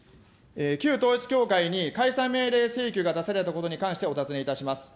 旧統一教会に解散命令請求が出されたことに関してお尋ねいたします。